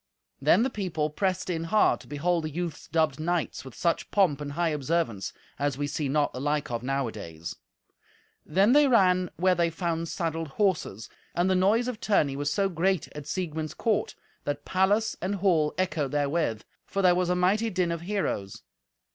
Then the people pressed in hard to behold the youths dubbed knights with such pomp and high observance as we see not the like of nowadays. Then they ran where they found saddled horses. And the noise of tourney was so great at Siegmund's court that palace and hall echoed therewith, for there was a mighty din of heroes.